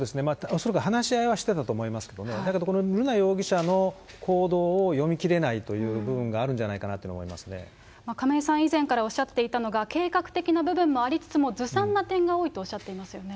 恐らく、話し合いはしてたと思いますけどね、だけどこの瑠奈容疑者の行動を読み切れないという部分があるんじ亀井さん、以前からおっしゃっていたのが、計画的な部分もありつつも、ずさんな点が多いとおっしゃっていますよね。